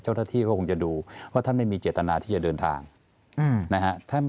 เจ้าหน้าที่ก็คงจะดูว่าท่านไม่มีเจตนาที่จะเดินทางนะฮะ